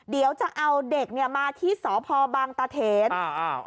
เดี๋ยวจะเอาเด็กมาที่สพบางตะเถน